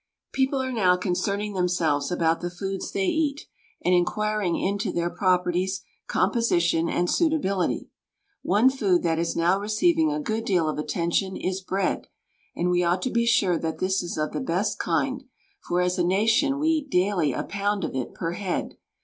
People are now concerning themselves about the foods they eat, and inquiring into their properties, composition, and suitability. One food that is now receiving a good deal of attention is bread, and we ought to be sure that this is of the best kind, for as a nation we eat daily a pound of it per head.